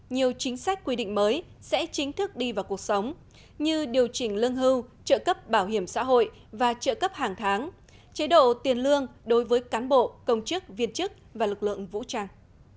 nhiều chính sách quy định mới sẽ chính thức đi vào cuộc sống như điều chỉnh lương hưu trợ cấp bảo hiểm xã hội và trợ cấp hàng tháng chế độ tiền lương đối với cán bộ công chức viên chức và lực lượng vũ trang